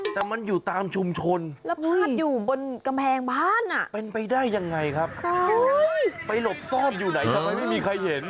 แต่มันอยู่ตามชุมชนแล้วพาดอยู่บนกำแพงบ้านอ่ะเป็นไปได้ยังไงครับไปหลบซ่อนอยู่ไหนทำไมไม่มีใครเห็น